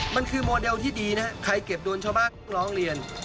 มันคือโมเดลที่ดีนะครับใครเก็บโดนชาวบ้านร้องเรียน